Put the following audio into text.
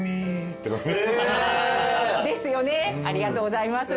ですよねありがとうございます。